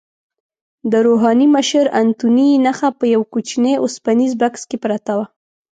د روحاني مشر انتوني نخښه په یوه کوچني اوسپنیز بکس کې پرته وه.